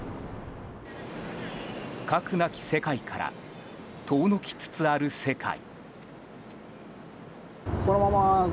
核なき世界から遠のきつつある世界。